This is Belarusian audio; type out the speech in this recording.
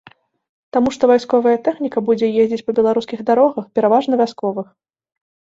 Таму што вайсковая тэхніка будзе ездзіць па беларускіх дарогах, пераважна вясковых.